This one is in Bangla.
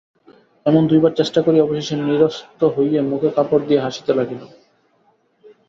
এমন দুইবার চেষ্টা করিয়া অবশেষে নিরস্ত হইয়া মুখে কাপড় দিয়া হাসিতে লাগিল।